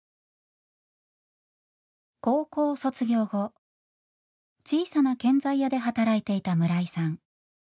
高校卒業後小さな建材屋で働いていた村井さん。